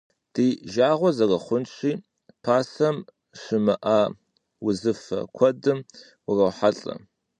Ди жагъуэ зэрыхъунщи, пасэм щымыӀа узыфэ куэдым урохьэлӀэ.